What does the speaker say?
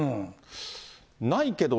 ないけど。